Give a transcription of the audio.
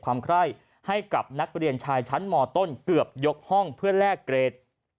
ใคร่ให้กับนักเรียนชายชั้นมต้นเกือบยกห้องเพื่อแลกเกรด